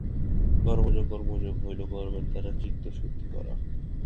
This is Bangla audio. কর্মযোগ কর্মযোগ হইল কর্মের দ্বারা চিত্তশুদ্ধি করা।